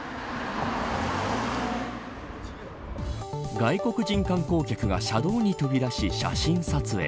外国人観光客が車道に飛び出し、写真撮影。